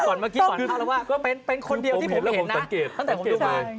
ครับก็เป็นคนเดียวที่ผมเห็นตั้งแต่ผมดู